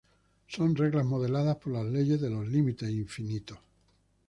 Son reglas modeladas por las leyes de los límites infinitos.